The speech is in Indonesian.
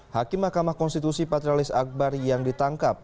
hakim mahkamah konstitusi patrialis akbar yang ditangkap